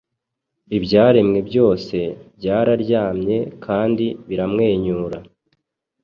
Ibyaremwe byose byararyamye kandi biramwenyura.